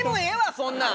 そんなん。